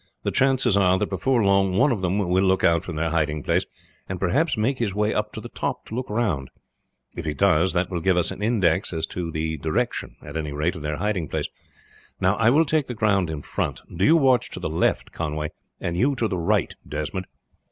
"The chances are that before long one of them will look out from their hiding place, and perhaps make his way up to the top to look round. If he does, that will give us an index as to the direction at any rate of their hiding place. Now, I will take the ground in front; do you watch to the left, Conway, and you to the right, Desmond.